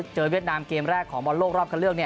เวียดนามเกมแรกของบอลโลกรอบคันเลือก